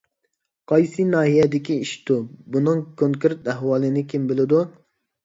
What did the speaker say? قايسى ناھىيەدىكى ئىشتۇ؟ بۇنىڭ كونكرېت ئەھۋالىنى كىم بىلىدۇ؟